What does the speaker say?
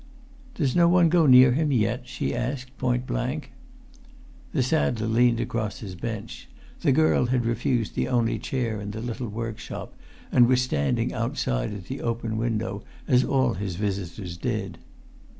"Does no one go near him yet?" she asked point blank. The saddler leant across his bench; the girl had refused the only chair in the little workshop, and was standing outside at the open window, as all his visitors did.